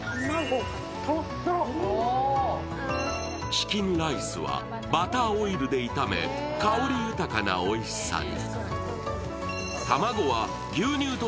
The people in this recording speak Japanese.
チキンライスはバターオイルで炒め香り豊かなおいしさに。